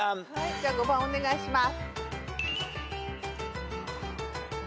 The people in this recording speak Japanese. じゃ５番お願いします。